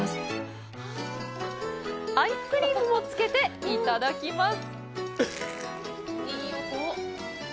アイスクリームもつけていただきます。